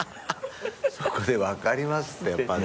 そこで「分かります」ってやっぱね。